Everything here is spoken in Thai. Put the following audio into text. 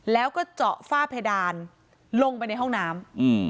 แล้วก็เจาะฝ้าเพดานลงไปในห้องน้ำ